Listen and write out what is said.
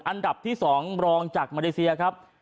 อันดับที่๒รองจากมาเลเซียครับ